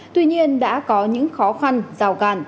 tuy nhiên đã có những khó khăn giao cản